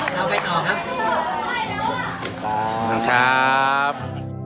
เราไปต่อครับขอบคุณครับ